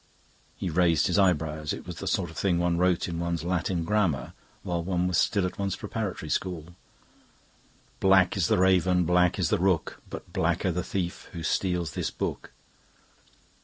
He raised his eyebrows. It was the sort of thing one wrote in one's Latin Grammar while one was still at one's preparatory school. "Black is the raven, black is the rook, But blacker the thief who steals this book!"